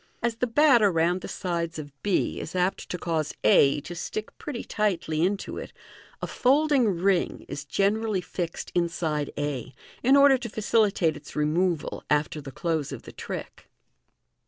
As the batter round the sides of b is apt to cause a to stick pretty tightly into it, a folding ring is generally fixed inside a, in order to facilitate its removal after the close of the trick.